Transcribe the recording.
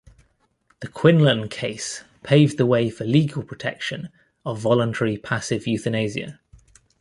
The Quinlan case paved the way for legal protection of voluntary passive euthanasia.